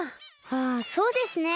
ああそうですね。